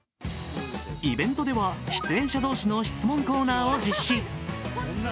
イベントでは出演者同士の質問コーナーを実施。